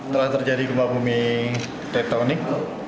telah terjadi gempa bumi tektonik